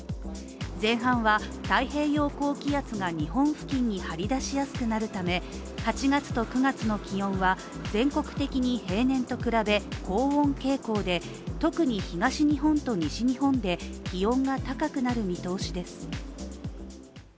前半は太平洋高気圧が日本付近に張り出しやすくなるため８月と９月の気温は全国的に平年と比べ高温傾向で、特に東日本と西日本で気温が高くなる見通しです。